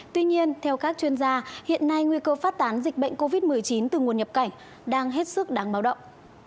tuy nhiên theo các chuyên gia hiện nay nguy cơ phát tán dịch bệnh covid một mươi chín từ nguồn nhập cảnh đang hết sức đáng báo động